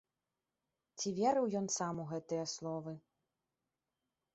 Ці верыў ён сам у гэтыя словы.